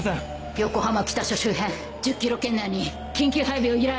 横浜北署周辺１０ｋｍ圏内に緊急配備を依頼！